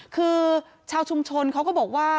คือชาวชุมชนเขาก็บอกว่า